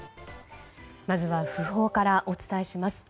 まずは訃報からお伝えします。